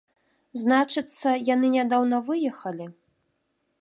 Значыцца, яны нядаўна выехалі!